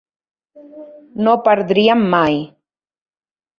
No perdríem mai.